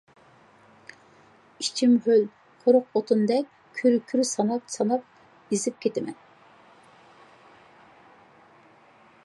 ئىچىم ھۆل، قۇرۇق ئوتۇندەك گۈر-گۈر، ساناپ-ساناپ ئېزىپ كېتىمەن.